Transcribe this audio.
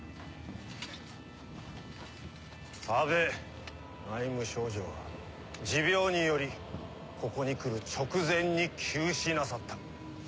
阿部内務少丞は持病によりここに来る直前に急死なさった。